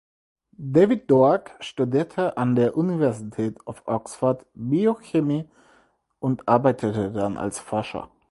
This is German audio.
David Doak studierte an der University of Oxford Biochemie und arbeitete dann als Forscher.